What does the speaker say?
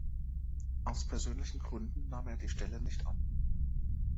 Aus persönlichen Gründen nahm er die Stelle nicht an.